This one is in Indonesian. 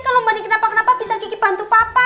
kalau mbak adin kenapa kenapa bisa kiki bantu papa